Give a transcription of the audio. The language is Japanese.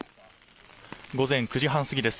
午前９時半すぎです。